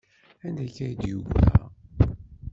Anda akka ay d-yeggra?